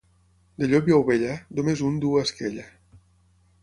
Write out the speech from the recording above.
De llop i ovella, només un duu esquella.